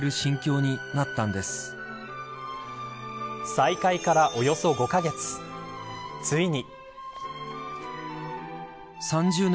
再会からおよそ５カ月ついに。